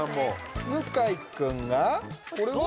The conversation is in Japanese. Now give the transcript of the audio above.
向井君がこれは？